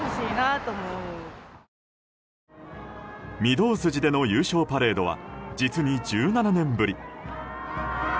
御堂筋での優勝パレードは実に１７年ぶり。